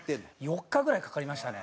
４日ぐらいかかりましたね。